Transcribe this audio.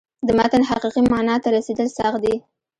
د متن حقیقي معنا ته رسېدل سخت دي.